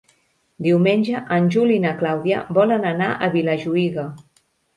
Diumenge en Juli i na Clàudia volen anar a Vilajuïga.